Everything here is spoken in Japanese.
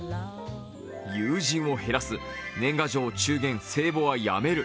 友人を減らす、年賀状、中元、歳暮はやめる。